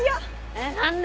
えっ何で？